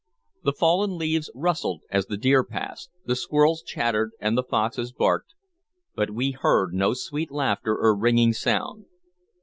The fallen leaves rustled as the deer passed, the squirrels chattered and the foxes barked, but we heard no sweet laughter or ringing song.